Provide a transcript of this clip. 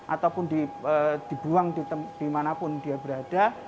ataupun dibuang dimanapun dia berada